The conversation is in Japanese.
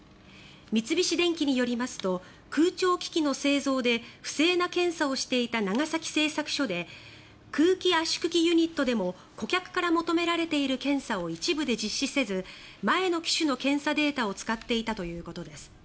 三菱電機によりますと空調機器の製造で不正な検査をしていた長崎製作所で空気圧縮機ユニットでも顧客から求められている検査を一部で実施せず前の機種の検査データを使っていたということです。